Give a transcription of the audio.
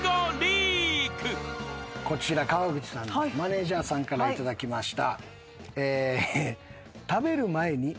こちら川口さんのマネジャーさんから頂きました。